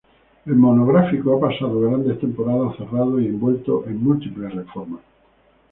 El monográfico ha pasado grandes temporadas cerrado y envuelto en múltiples reformas.